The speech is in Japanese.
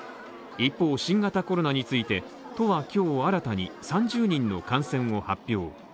一方新型コロナについて、都は今日新たに３０人の感染を発表。